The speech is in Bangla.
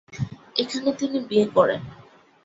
এখানে তিনি বিয়ে করেন।